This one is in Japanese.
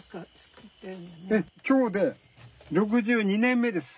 今日で６２年目です。